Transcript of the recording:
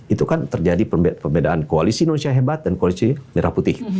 itu kan terjadi perbedaan koalisi indonesia hebat dan koalisi merah putih